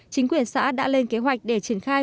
chính quyền xã đã lên kế hoạch để triển khai